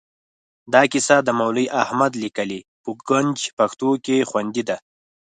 دا کیسه د مولوي احمد لیکلې په ګنج پښتو کې خوندي ده.